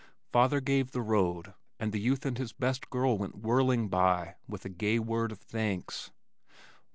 Father gave the road, and the youth and his best girl went whirling by with a gay word of thanks.